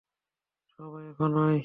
সবাই, এখনই!